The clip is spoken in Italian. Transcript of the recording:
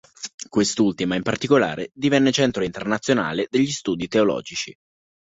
Quest'ultima in particolare divenne centro internazionale degli studi teologici.